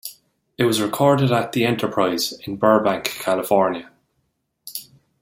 It was recorded at "The Enterprise" in Burbank, California.